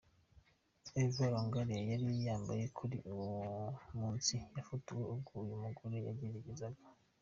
Eva Longoria yari yambaye kuri uwo munsi, yafotowe ubwo uyu mugore yageragezaga.